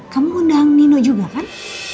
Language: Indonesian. kamu undang nino juga kan